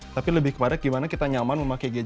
tapi lebih kepada gimana kita nyaman memakai gadget